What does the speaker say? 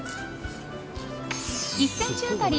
１ｃｍ当たり